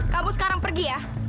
kamu sekarang pergi ya